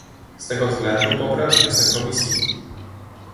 Z tego względu poprę wniosek Komisji